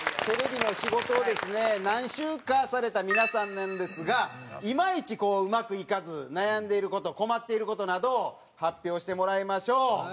テレビの仕事をですね何周かされた皆さんなんですがいまいちこううまくいかず悩んでいる事困っている事などを発表してもらいましょう。